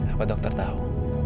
apa dokter tahu